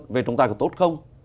về trọng tài có tốt không